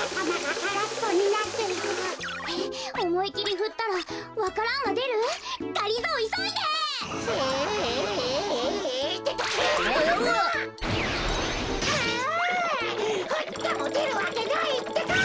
ふってもでるわけないってか！